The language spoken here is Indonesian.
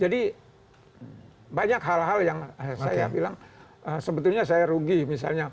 jadi banyak hal hal yang saya bilang sebetulnya saya rugi misalnya